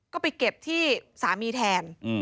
ก็ไปเก็บที่สามีแทน